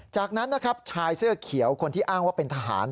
จากนั้นนะครับชายเสื้อเขียวคนที่อ้างว่าเป็นทหาร